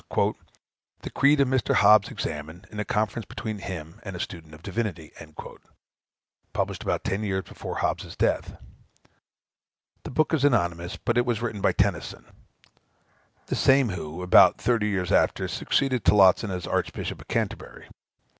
"The Creed of Mr. Hobbes Examined; in a Conference between him and a Student in Divinity," (published about ten years before Hobbes's death.) The book is anonymous, but it was written by Tennison, the same who, about thirty years after, succeeded Tillotson as Archbishop of Canterbury.